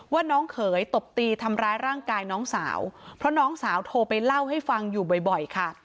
ว่าน้องเขยตบตีทำร้ายร่างกายน้องสาวเพราะน้องสาวโทรไปเล่าให้ฟังอยู่บ่อยค่ะ